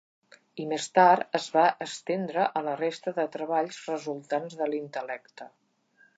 I més tard, es va estendre a la resta de treballs resultants de l'intel·lecte.